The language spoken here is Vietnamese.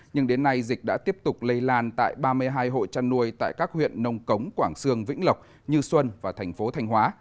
nhưng đến nay dịch đã tiếp tục lây lan tại ba mươi hai hộ chăn nuôi tại các huyện nông cống quảng sương vĩnh lộc như xuân và thành phố thanh hóa